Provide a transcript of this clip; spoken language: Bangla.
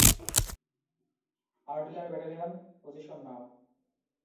Artillery battalion, position now!